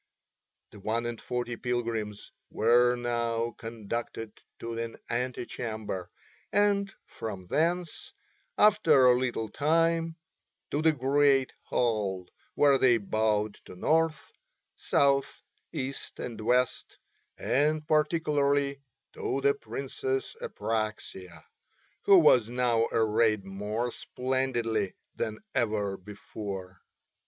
The one and forty pilgrims were now conducted to an ante chamber and from thence, after a little time, to the great hall, where they bowed to North, South, East, and West, and particularly to the Princess Apraxia, who was now arrayed more splendidly than ever before.